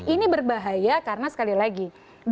ini berbahaya karena sekali lagi